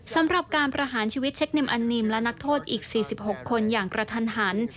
สำหรับการประหารชีวิตเช็คนิมอันนิมและนักโทษอีก๔๖คนอย่างกระทันหัน